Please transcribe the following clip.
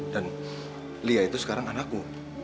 dan lia itu sekarang anakku